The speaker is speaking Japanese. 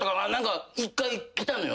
１回来たのよ。